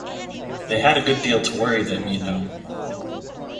They had a good deal to worry them, you know.